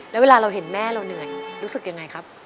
แล้วเวลาเราเห็นแม่เราเหนื่อยรู้สึกยังไงครับ